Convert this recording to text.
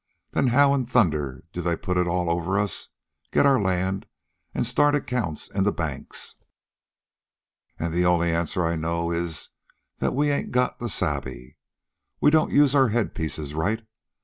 Then how in thunder do they put it all over us, get our land, an' start accounts in the banks?' An' the only answer I know is that we ain't got the sabe. We don't use our head pieces right.